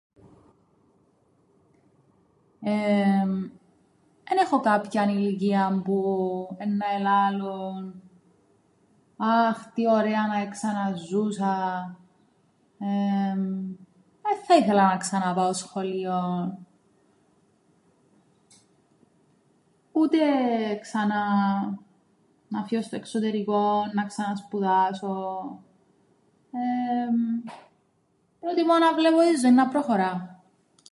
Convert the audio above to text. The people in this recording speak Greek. Εμ εν έχω κάποιαν ηλικίαν που εννά ελάλουν αχ τι ωραία να εξαναζούσα εεεμ εν θα ήθελα να ξαναπάω σχολείο, ούτε ξανά να φύω στο εξωτερικόν να ξανασπουδάσω εεεμ προτιμώ να βλέπω την ζωήν να προχωρά